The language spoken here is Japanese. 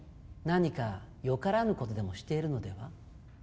何か良からぬことでもしているのでは？